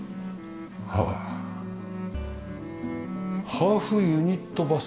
ハーフユニットバスですかね？